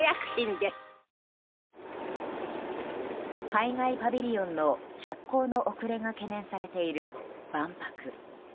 海外パビリオンの着工の遅れが懸念されている万博。